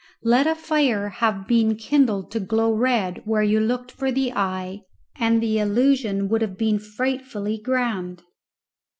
Let a fire have been kindled to glow red where you looked for the eye, and the illusion would have been frightfully grand.